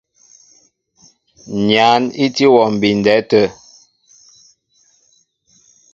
Nyǎn í tí wɔ mbindɛ tə̂.